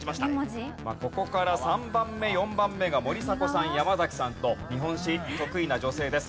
ここから３番目４番目が森迫さん山崎さんと日本史得意な女性です。